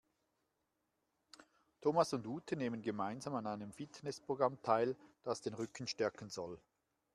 Thomas und Ute nehmen gemeinsam an einem Fitnessprogramm teil, das den Rücken stärken soll.